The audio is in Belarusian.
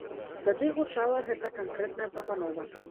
Тады гучала гэта канкрэтная прапанова.